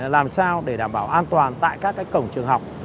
làm sao để đảm bảo an toàn tại các cổng trường học